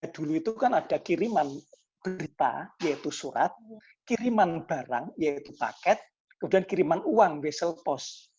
dulu itu kan ada kiriman berita yaitu surat kiriman barang yaitu paket kemudian kiriman uang westel post